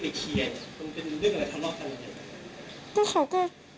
มันเป็นเรื่องอะไรทะเลาะกันอะไรอย่างนี้